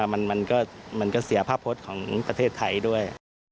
มันก็เสียภาพพจน์ของประเทศไทยด้วย